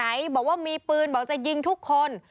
ไหนบอกว่ามีปืนบอกจะยิงทุกคน